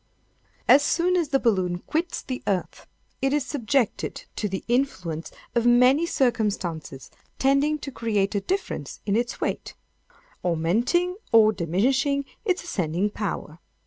"As soon as the balloon quits the earth, it is subjected to the influence of many circumstances tending to create a difference in its weight; augmenting or diminishing its ascending power.